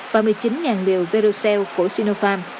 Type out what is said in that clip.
và một mươi chín liều verocell của sinopharm